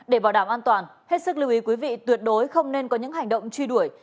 để bảo đảm an toàn hết sức lưu ý quý vị tuyệt đối không nên có những hành động truy đuổi